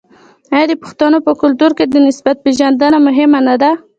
آیا د پښتنو په کلتور کې د نسب پیژندنه مهمه نه ده؟